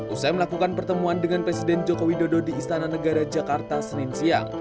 usai melakukan pertemuan dengan presiden joko widodo di istana negara jakarta senin siang